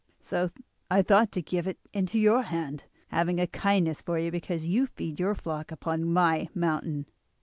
So I thought to give it into your hand, having a kindness for you because you feed your flock upon my mountain.